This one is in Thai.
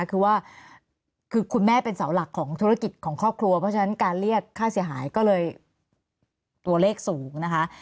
คือว่าคือคุณแม่เป็นเสาหลักของธุรกิจของครอบครัวเพราะฉะนั้นการเรียกค่าเสียหายก็เลยตัวเลขสูงนะคะ